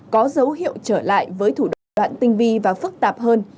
có dấu hiệu trở lại với thủ đoạn đoạn tinh vi và phức tạp hơn